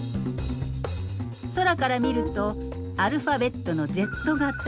空から見るとアルファベットのＺ型。